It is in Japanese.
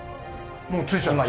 もう着いちゃいました。